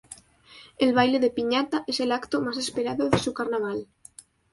El Baile de piñata es el acto más esperado de su carnaval.